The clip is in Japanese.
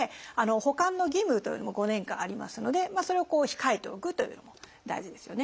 保管の義務というのも５年間ありますのでそれを控えておくというのも大事ですよね。